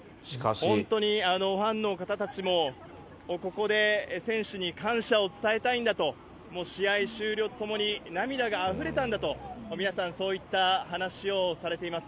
本当にファンの方たちも、ここで選手に感謝を伝えたいんだと、試合終了とともに、涙があふれたんだと、皆さんそういった話をされています。